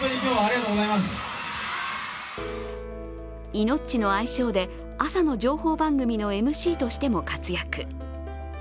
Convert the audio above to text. イノッチの愛称で朝の情報番組のＭＣとしても活躍。